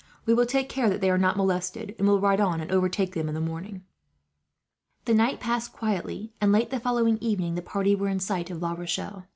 We will take care that they are not molested, and will ride on and overtake them, in the morning." The night passed quietly and, late the following evening, the party were in sight of La Rochelle.